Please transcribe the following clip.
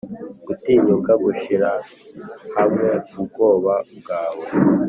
gutinyuka gushira hamwe ubwoba bwawe?